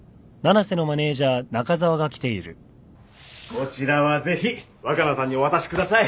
こちらはぜひ若菜さんにお渡しください。